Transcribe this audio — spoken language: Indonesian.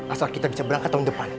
asal kita bisa berangkat tahun depan